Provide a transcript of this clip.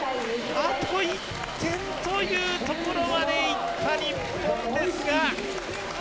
あと１点というところまでいった日本ですが。